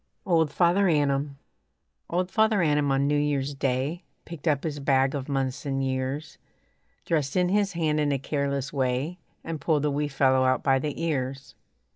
OLD FATHER ANNUM Old Father Annum on New Year's Day Picked up his bag of months and years, Thrust in his hand in a careless way, And pulled a wee fellow out by the ears.